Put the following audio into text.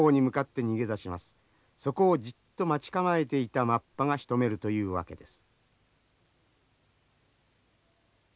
そこをじっと待ち構えていたマッパがしとめるというわけです。